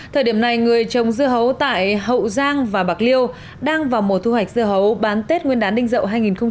thời điểm này người trồng dưa hấu tại hậu giang và bạc liêu đang vào mùa thu hoạch dưa hấu bán tết nguyên đán ninh dậu hai nghìn hai mươi